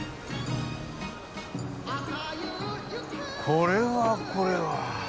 これはこれは。